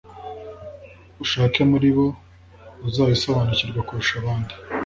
Ushake muri bo uzabisobanukirwa kurusha abandi